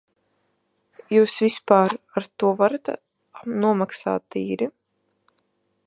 Jūs vispār ar to varat nomaksāt īri?